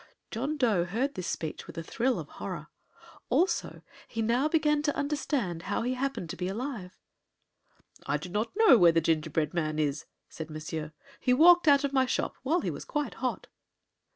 John Dough heard this speech with a thrill of horror. Also he now began to understand how he happened to be alive. "I do not know where the gingerbread man is," said Monsieur. "He walked out of my shop while he was quite hot."